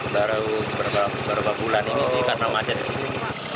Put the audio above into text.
baru beberapa bulan ini sih karena macet